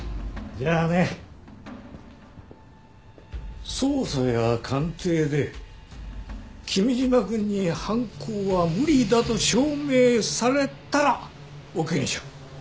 じゃあね捜査や鑑定で君嶋くんに犯行は無理だと証明されたらオーケーにしよう。